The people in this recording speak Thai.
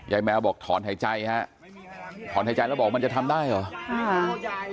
แมวบอกถอนหายใจฮะถอนหายใจแล้วบอกมันจะทำได้เหรอ